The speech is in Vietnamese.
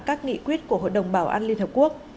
các nghị quyết của hội đồng bảo an liên hợp quốc